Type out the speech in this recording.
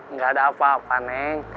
nggak ada apa apa panik